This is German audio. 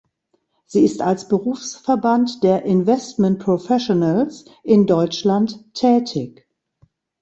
Sie ist als Berufsverband der „Investment Professionals“ in Deutschland tätig.